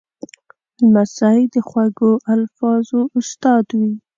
لمسی د خوږو الفاظو استاد وي.